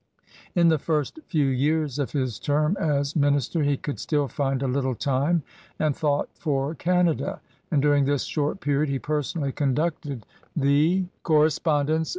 In the first few years of his term as minister he could still find a little time and thought for Canada, and during this short period he personally conducted the corre ^i A A b »:■ 1 If *t, a.